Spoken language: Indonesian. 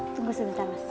tunggu sebentar mas